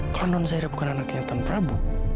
kalau nonzaira bukan anaknya tuhan prabu